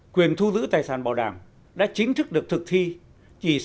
quyền thu giữ tài sản bảo đảm đã chính thức được thực thi